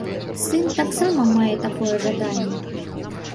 Сын таксама мае такое жаданне.